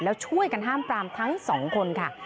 แล้วช่วยกันห้ามปรามทั้งสองคนค่ะ